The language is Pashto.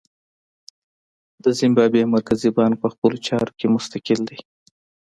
د زیمبابوې مرکزي بانک په خپلو چارو کې مستقل دی.